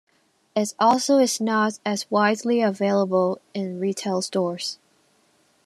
It also is not as widely available in retail stores.